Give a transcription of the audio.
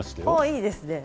いいですね。